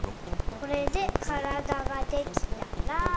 これでからだができたら。